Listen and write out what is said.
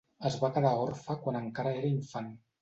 Es va quedar orfe quan encara era infant.